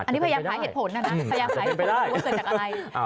อันนี้พยายามถ่ายเหตุผลนะ